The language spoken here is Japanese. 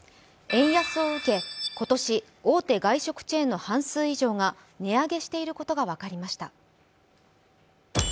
円安を受け今年大手外食チェーンの半数以上が値上げしていることが分かりました。